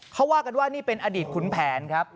เขาว่ากันว่านี่เป็นอดีตขุนแผนครับ